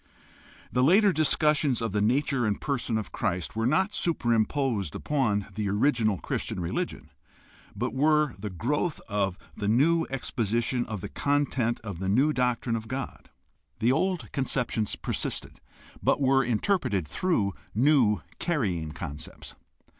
The later discussions of the nature and person of Christ were not superimposed upon the original Christian religion, but were the growth of the new exposition of the content of the new doctrine of God. The old conceptions persisted, but were interpreted through new carrying concepts.